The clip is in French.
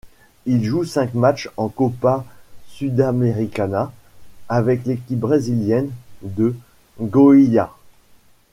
Il joue cinq matchs en Copa Sudamericana avec l'équipe brésilienne de Goiás.